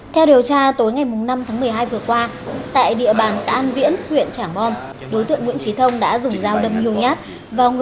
theo điều tra tối ngày năm tháng một mươi hai vừa qua tại địa bàn xã an viễn huyện trảng bom đối tượng nguyễn trí thông đã dùng dao đâm nhiều nhát vào